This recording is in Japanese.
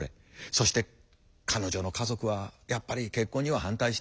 そして彼女の家族はやっぱり結婚には反対した。